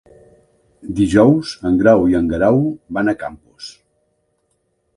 Dijous en Grau i en Guerau van a Campos.